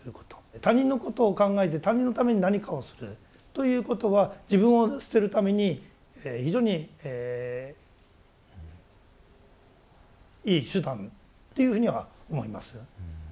他人のことを考えて他人のために何かをするということは自分を捨てるために非常にいい手段っていうふうには思います。